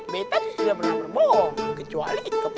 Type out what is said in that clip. betanya sudah pernah berbohong kecuali kepepet